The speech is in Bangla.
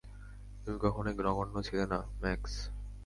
তুমি কখনোই নগণ্য ছিলে না, ম্যাক্স।